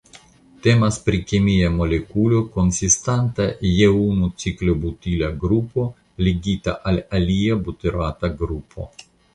Temas pri kemia molekulo konsistanta je unu ciklobutila grupo ligita al alia buterata grupo.